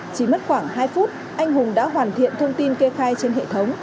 chỉ mất khoảng hai phút anh hùng đã hoàn thiện thông tin kê khai trên hệ thống